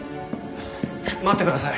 待ってください。